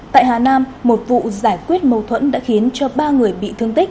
tại hà nam một vụ giải quyết mâu thuẫn đã khiến cho ba người bị thương tích